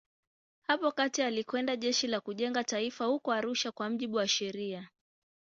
Hapo kati alikwenda Jeshi la Kujenga Taifa huko Arusha kwa mujibu wa sheria.